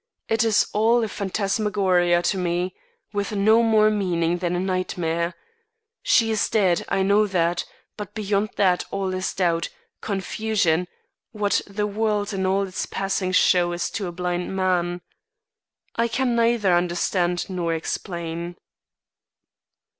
It is all a phantasmagoria to me with no more meaning than a nightmare. She is dead I know that but beyond that, all is doubt confusion what the world and all its passing show is to a blind man. I can neither understand nor explain."